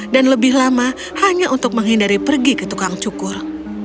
dan lebih lama hanya untuk menghindari pergi ke tukang cukur